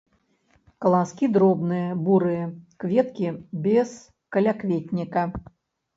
Каласкі дробныя, бурыя, кветкі без калякветніка.